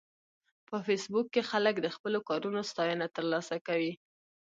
په فېسبوک کې خلک د خپلو کارونو ستاینه ترلاسه کوي